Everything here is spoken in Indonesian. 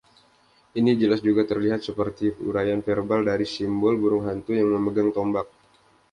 Ini jelas juga terlihat seperti uraian verbal dari simbol burung hantu yang memegang tombak.